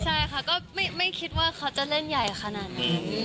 ใช่ค่ะก็ไม่คิดว่าเขาจะเล่นใหญ่ขนาดนี้